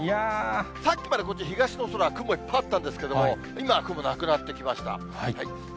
さっきまでこっち、東の空、雲いっぱいあったんですけれども、今、雲なくなってきました。